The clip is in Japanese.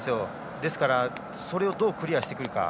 ですから、それをどうクリアしてくるか。